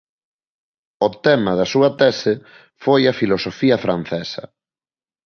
O tema da súa tese foi a filosofía francesa.